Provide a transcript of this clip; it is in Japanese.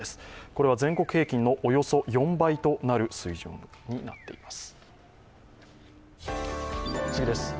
これは全国平均のおよそ４倍となる水準となっています。